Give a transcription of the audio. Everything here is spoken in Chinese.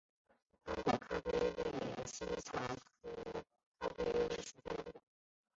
刚果咖啡为茜草科咖啡属下的一个种。